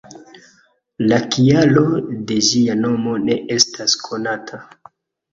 La kialo de ĝia nomo ne estas konata.